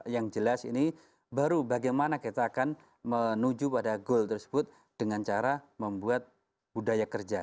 yang jelas ini baru bagaimana kita akan menuju pada goal tersebut dengan cara membuat budaya kerja